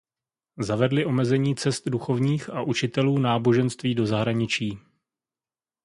Zavedly omezení cest duchovních a učitelů náboženství do zahraničí.